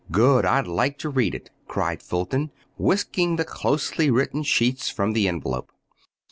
"Good! I'd like to read it," cried Fulton, whisking the closely written sheets from the envelope.